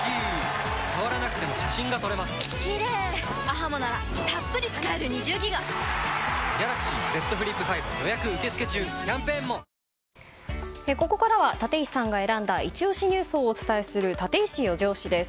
ｈｏｙｕここからは立石さんが選んだイチ推しニュースをお伝えするタテイシ４時推しです。